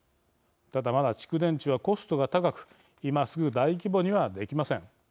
ただ、まだ蓄電池はコストが高く今すぐ大規模にはできません。